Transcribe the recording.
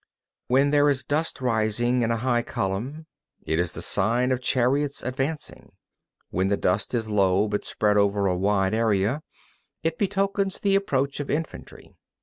23. When there is dust rising in a high column, it is the sign of chariots advancing; when the dust is low, but spread over a wide area, it betokens the approach of infantry.